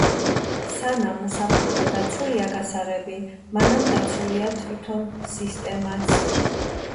სანამ უსაფრთხო და დაცულია გასაღები, მანამ დაცულია თვითონ სისტემაც.